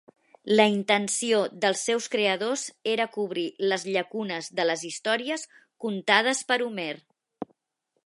La intenció dels seus creadors era cobrir les llacunes de les històries contades per Homer.